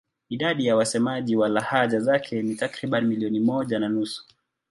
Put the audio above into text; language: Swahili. Idadi ya wasemaji wa lahaja zake ni takriban milioni moja na nusu.